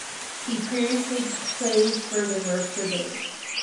He previously played for the Mercer Bears.